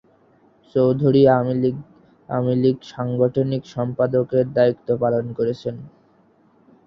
চৌধুরী আওয়ামী লীগের সাংগঠনিক সম্পাদকের দায়িত্ব পালন করছেন।